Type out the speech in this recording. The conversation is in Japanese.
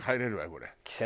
これ。